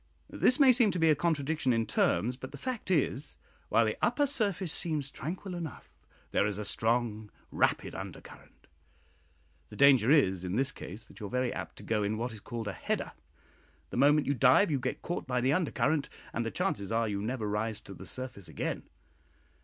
This may seem to be a contradiction in terms; but the fact is, while the upper surface seems tranquil enough, there is a strong rapid undercurrent. The danger is, in this case, that you are very apt to go in what is called a "header." The moment you dive you get caught by the undercurrent, and the chances are you never rise to the surface again.